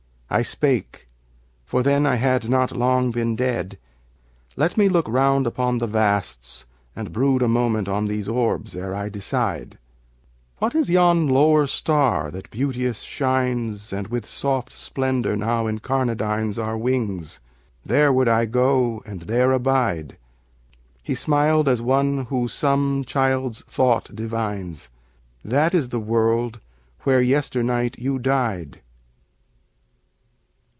I spake for then I had not long been dead "Let me look round upon the vasts, and brood A moment on these orbs ere I decide ... What is yon lower star that beauteous shines And with soft splendor now incarnadines Our wings? There would I go and there abide." He smiled as one who some child's thought divines: "That is the world where yesternight you died."